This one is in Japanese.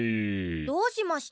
どうしました？